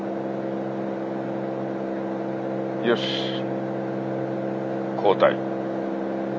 よし交代。